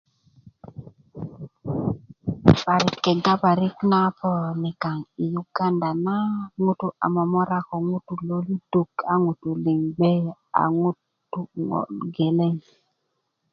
parik kegga parik na poo nikaŋ yi yuganda a ŋutuu a momora ko ŋutuu loluduk ŋutu liŋ gbe a ŋuut a ŋo' geleŋ